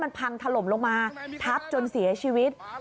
บ้านมันถล่มมานะฮะคุณผู้ชมมาล่าสุดมีผู้เสียชีวิตด้วยแล้วก็มีคนติดอยู่ภายในด้วย